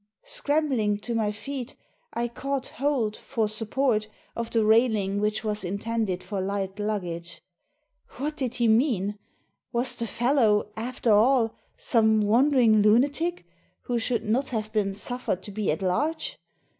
Scrambling to my feet I caught hold, for support, of the railing which was intended for light luggage. What did he mean ? Was the fellow, after all, some Digitized by VjOOQIC 78 THE SEEN AND THE UNSEEN wandering lunatic who should not have been suffered to be at large?